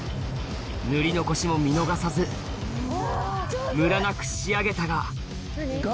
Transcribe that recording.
塗り残しも見逃さずムラなく仕上げたが「が」？